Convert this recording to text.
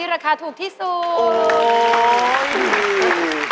ราคาถูกที่สุด